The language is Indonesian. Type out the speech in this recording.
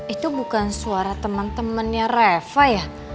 itu bukan suara temen temennya reva ya